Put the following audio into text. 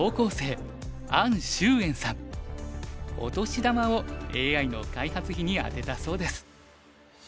お年玉をＡＩの開発費にあてたそうです。